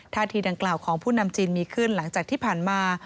ท่าทีดังกล่าวของผู้นำจีนมีขึ้นหลังจากที่ผ่านมา